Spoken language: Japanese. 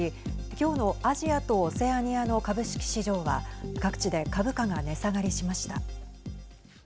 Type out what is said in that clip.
今日のアジアとオセアニアの株式市場は各地で株価が値下がりしました。